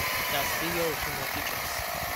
دستی یا اتوماتیک است؟